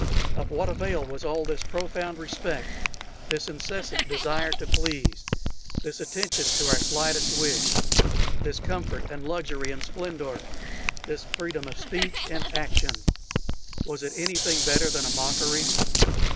Of what avail was all this profound respect, this incessant desire to please, this attention to our slightest wish, this comfort and luxury and splendor, this freedom of speech and action? Was it anything better than a mockery?